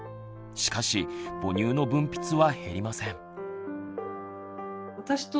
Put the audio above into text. しかし母乳の分泌は減りません。